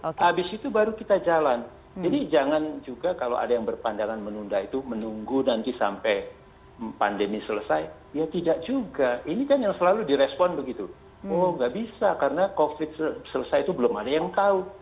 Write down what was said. nah habis itu baru kita jalan jadi jangan juga kalau ada yang berpandangan menunda itu menunggu nanti sampai pandemi selesai ya tidak juga ini kan yang selalu direspon begitu oh nggak bisa karena covid selesai itu belum ada yang tahu